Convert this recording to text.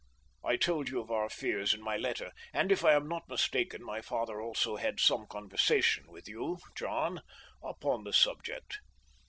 I told you of our fears in my letter, and, if I am not mistaken, my father also had some conversation with you, John, upon the subject.